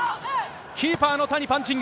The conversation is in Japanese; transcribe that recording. キーパーの谷、パンチング。